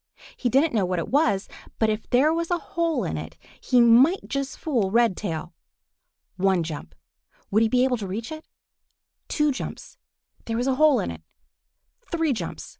He didn't know what it was, but if there was a hole in it he might yet fool Redtail. One jump! Would he be able to reach it? Two jumps! There was a hole in it! Three jumps!